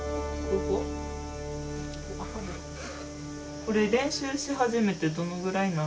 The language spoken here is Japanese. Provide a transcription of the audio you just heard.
これ練習し始めてどのぐらいなん？